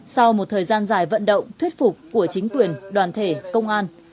sau một thời gian dài vận động thuyết phục của chính quyền đoàn thể công an